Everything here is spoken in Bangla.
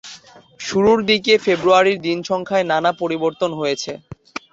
শুরুর দিকে ফেব্রুয়ারির দিনসংখ্যায় নানা পরিবর্তন হয়েছে।